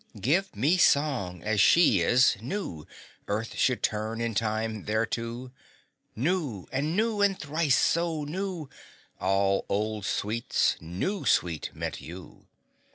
Give me song, as She is, new, Earth should turn in time thereto! New, and new, and thrice so new, All old sweets, New Sweet, meant you!